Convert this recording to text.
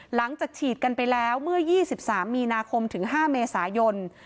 หลังจากฉีดกันไปแล้วเมื่อ๒๓มีนาคมถึง๕เมษายน